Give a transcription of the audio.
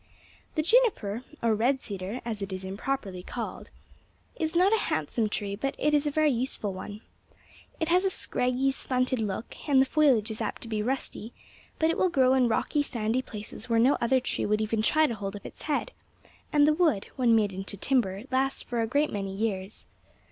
"The juniper or red cedar, as it is improperly called is not a handsome tree, but it is a very useful one. It has a scraggy, stunted look, and the foliage is apt to be rusty; but it will grow in rocky, sandy places where no other tree would even try to hold up its head, and the wood, when made into timber, lasts for a great many years.